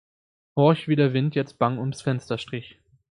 Horch wie der Wind jetzt bang ums Fenster strich.